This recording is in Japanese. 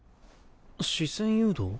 視線誘導？